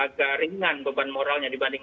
agak ringan beban moralnya dibanding